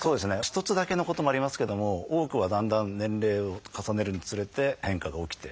一つだけのこともありますけども多くはだんだん年齢を重ねるにつれて変化が起きて。